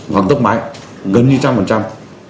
hoặc tốc máy gần như trăm phần trăm